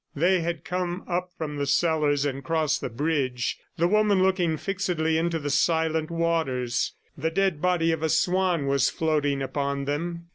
They had come up from the cellars and crossed the bridge, the woman looking fixedly into the silent waters. The dead body of a swan was floating upon them.